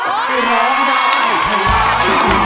ร้องได้ครับ